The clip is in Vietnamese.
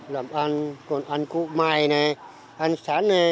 làm ăn còn ăn cụm mài ăn sán